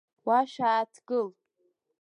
Уа шәааҭгыл!